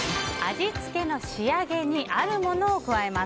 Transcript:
味付けの仕上げにあるものを使います。